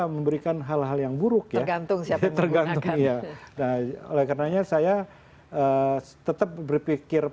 memberikan hal hal yang buruk ya gantung siap tergantung ya oleh karena saya tetap berpikir